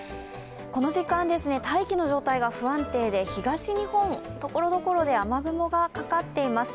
この時間、大気の状態が不安定で東日本、ところどころで雨雲がかかっています。